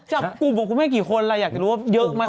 จับกลุ่มกับคุณแม่กี่คนเราอยากจะรู้ว่าเยอะไหม